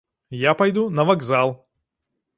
Я пайду на вакзал!